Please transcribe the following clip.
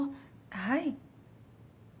はい。